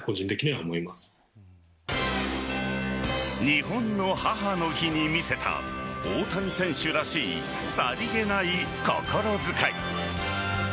日本の母の日に見せた大谷選手らしいさりげない心遣い。